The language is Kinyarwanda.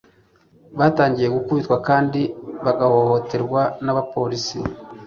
batangiye gukubitwa kandi bagahohoterwa n'abapolisi